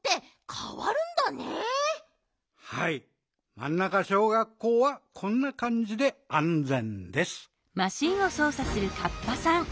マンナカ小学校はこんなかんじであんぜんです！」。